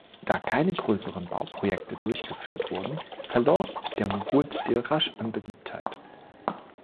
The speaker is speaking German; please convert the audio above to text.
Da keine größeren Bauprojekte durchgeführt wurden, verlor der Moghulstil rasch an Beliebtheit.